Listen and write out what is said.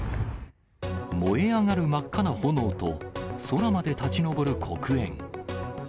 燃え上がる真っ赤な炎と、空まで立ち上る黒煙。